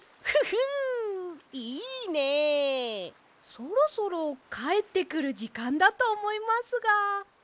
そろそろかえってくるじかんだとおもいますが。